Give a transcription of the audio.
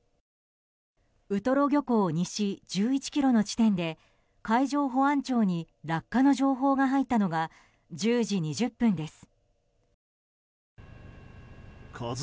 ウトロ漁港西１１ｋｍの地点で海上保安庁に落下の情報が入ったのが１０時２０分です。